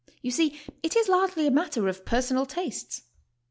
You see it is largely a matter of personal tastes.